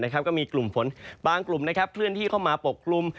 ก็มีกลุ่มฝนบางกลุ่มเคลื่อนที่เข้ามาปกคลุม